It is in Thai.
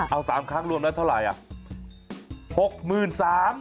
เอา๓ครั้งรวมแล้วเท่าไหร่อ่ะ๖๐๐๐๐บาท